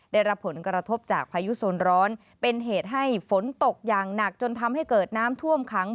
ได้รับผลกระทบจากพายุโซนร้อนเป็นเหตุให้ฝนตกอย่างหนักจนทำให้เกิดน้ำท่วมขัง